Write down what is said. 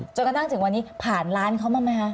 จนถึงวันนี้ผ่านร้านเขาบ้างไหมคะ